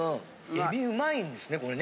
海老うまいんですねこれね。